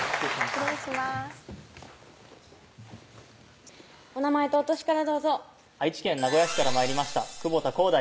失礼しますお名前とお歳からどうぞ愛知県名古屋市から参りました窪田航大